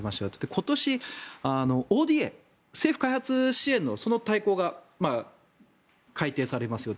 今年、ＯＤＡ・政府開発援助のその大綱が改定されますよと。